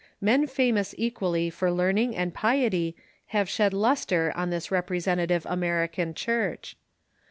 Men fa mous equally for learning and piety have shed lustre on this representative American Church.